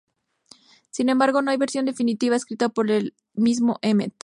Sin embargo, no hay versión definitiva escrita por el mismo Emmet.